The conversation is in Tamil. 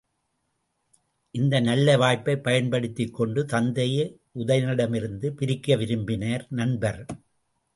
இந்த நல்ல வாய்ப்பைப் பயன்படுத்திக்கொண்டு தத்தையை உதயணனிடமிருந்து பிரிக்க விரும்பினர் நண்பர்.